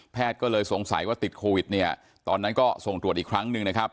ก็เลยสงสัยว่าติดโควิดเนี่ยตอนนั้นก็ส่งตรวจอีกครั้งหนึ่งนะครับ